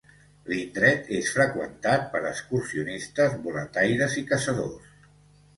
L'indret és freqüentat per excursionistes, boletaires i caçadors.